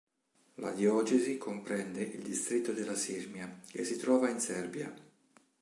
La diocesi comprende il distretto della Sirmia, che si trova in Serbia.